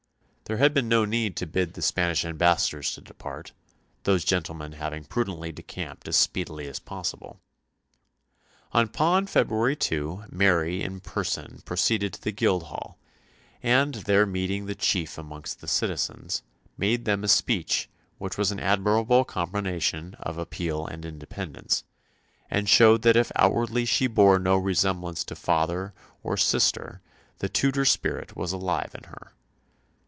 There had been no need to bid the Spanish ambassadors to depart, those gentlemen having prudently decamped as speedily as possible. Upon February 2 Mary in person proceeded to the Guildhall, and, there meeting the chief amongst the citizens, made them a speech which was an admirable combination of appeal and independence, and showed that if outwardly she bore no resemblance to father or sister the Tudor spirit was alive in her.